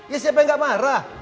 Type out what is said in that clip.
ya siapa yang gak marah